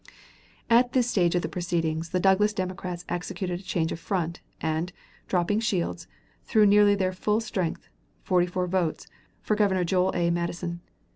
At this stage of the proceedings the Douglas Democrats executed a change of front, and, dropping Shields, threw nearly their full strength, 44 votes, for Governor Joel A. Matteson.